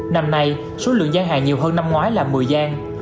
năm nay số lượng gian hàng nhiều hơn năm ngoái là một mươi gian